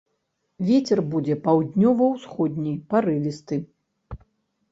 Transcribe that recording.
Вецер будзе паўднёва-ўсходні, парывісты.